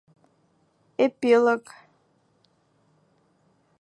Эпилог